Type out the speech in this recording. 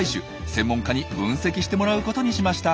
専門家に分析してもらうことにしました。